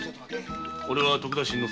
俺は徳田新之助。